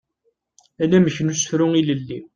Anamek n usefru ilelli.